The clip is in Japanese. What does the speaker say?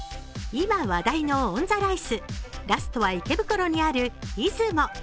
今話題のオンザライスラストは池袋にある、いづも。